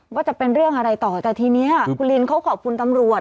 ว่าจะเป็นเรื่องอะไรต่อแต่ทีนี้คุณลินเขาขอบคุณตำรวจ